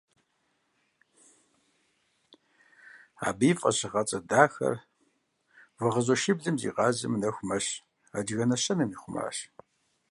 Абы и фӏэщыгъэцӏэ дахэр «Вагъуэзэшиблым зигъазэмэ, нэху мэщ» адыгэ нэщэнэм ихъумащ.